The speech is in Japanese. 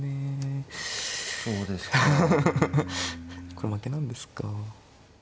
これ負けなんですか。